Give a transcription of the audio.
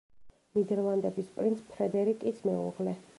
ნიდერლანდების პრინც ფრედერიკის მეუღლე.